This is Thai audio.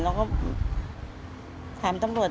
เราก็ถามตำรวจ